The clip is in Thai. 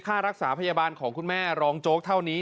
ค่ารักษาพยาบาลของคุณแม่รองโจ๊กเท่านี้